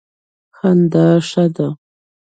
خندا ښه ده.